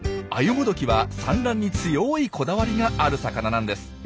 アユモドキは産卵に強いこだわりがある魚なんです。